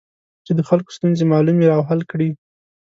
چې د خلکو ستونزې معلومې او حل کړي.